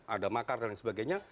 ada makar dan sebagainya